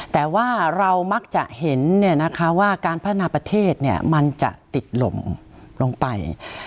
แต่ว่าเรามักจะเห็นเนี่ยนะคะว่าการพัฒนาประเทศเนี่ยมันจะติดหลมลงไป